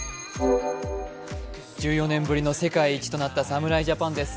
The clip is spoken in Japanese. １４年ぶりの世界一となった侍ジャパンです。